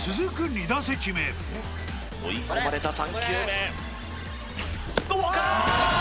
２打席目追い込まれた３球目どうかー！